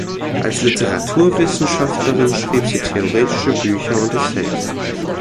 Als Literaturwissenschaftlerin schrieb sie theoretische Bücher und Essays.